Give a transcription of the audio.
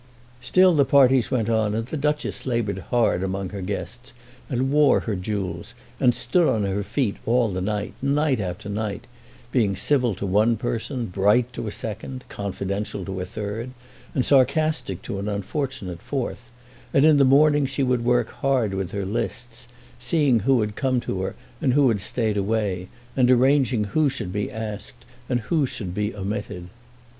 Still the parties went on, and the Duchess laboured hard among her guests, and wore her jewels, and stood on her feet all the night, night after night, being civil to one person, bright to a second, confidential to a third, and sarcastic to an unfortunate fourth; and in the morning she would work hard with her lists, seeing who had come to her and who had stayed away, and arranging who should be asked and who should be omitted.